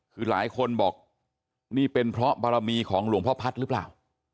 คือหลายคนบอกนี่เป็นเพราะบารมีของหลวงพ่อพัฒน์หรือเปล่า